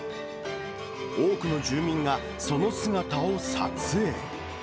多くの住民がその姿を撮影。